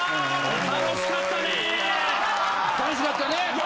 楽しかったね！